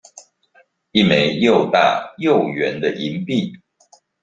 一枚又大又圓的銀幣